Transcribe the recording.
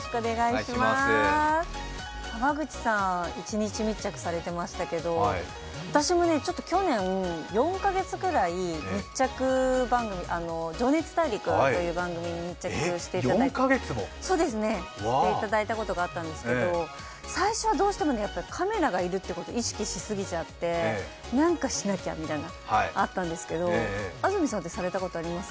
川口さん、一日密着されてましたけど、私も去年、４か月ぐらい「情熱大陸」という番組に密着していただいたことがあったんですけど、最初はどうしてもカメラがいるっていうことを意識しすぎちゃって何かしなきゃみたいなのがあったんですけど、安住さんってされたことあります？